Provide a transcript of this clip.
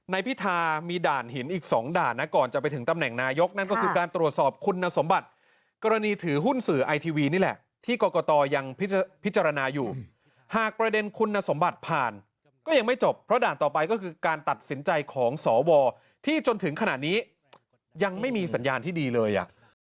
พิธามีด่านหินอีก๒ด่านนะก่อนจะไปถึงตำแหน่งนายกนั่นก็คือการตรวจสอบคุณสมบัติกรณีถือหุ้นสื่อไอทีวีนี่แหละที่กรกตยังพิจารณาอยู่หากประเด็นคุณสมบัติผ่านก็ยังไม่จบเพราะด่านต่อไปก็คือการตัดสินใจของสวที่จนถึงขนาดนี้ยังไม่มีสัญญาณที่ดีเลยอ่ะ